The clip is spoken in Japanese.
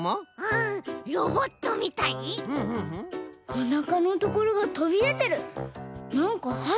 おなかのところがとびでてる。